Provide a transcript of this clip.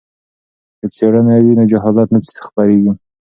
که څیړنه وي نو جهالت نه خپریږي.